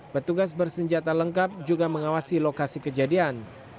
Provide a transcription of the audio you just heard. petugas bersenjata lengkap juga mengawasi lokasi kejadian